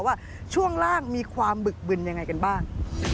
ว่าช่วงล่างมีความบึกบึนยังไงกันบ้าง